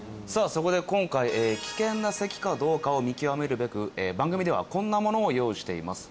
そこで今回危険な咳かどうかを見極めるべく番組ではこんなものを用意しています